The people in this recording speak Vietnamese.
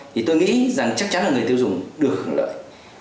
thì tôi nghĩ rằng chắc chắn là người tiêu dùng được hưởng lợi